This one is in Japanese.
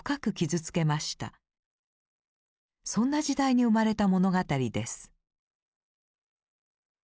そんな時代に生まれた物語です。